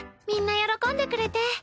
みんな喜んでくれて。